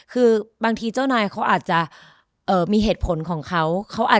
คือบางทีเจ้านายเขาอาจจะมีเหตุผลของเขา